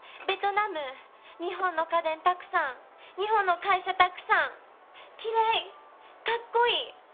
ベトナム日本の家電たくさん日本の会社たくさんきれいかっこいい